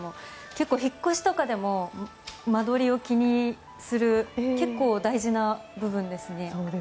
結構、引っ越しとかでも間取りを気にする結構、大事な部分ですね。